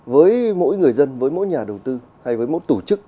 với mỗi người dân với mỗi nhà đầu tư hay với mỗi tổ chức